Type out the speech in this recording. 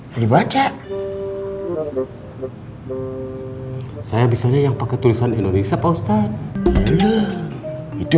hai di baca saya bisa yang pakai tulisan indonesia post art itu